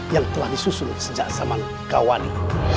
yang telah disusun sejak zaman kawani